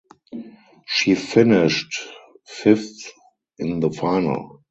She finished fifth in the final.